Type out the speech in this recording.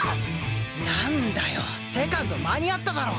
なんだよセカンド間に合っただろ！